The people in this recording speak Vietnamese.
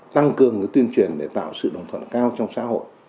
tăng cường tuyên truyền để tạo sự đồng thuận cao trong xã hội